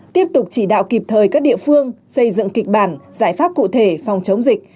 tiếp tục chỉ đạo kịp thời các địa phương xây dựng kịch bản giải pháp cụ thể phòng chống dịch